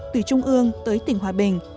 từ trung ương tới tỉnh hòa bình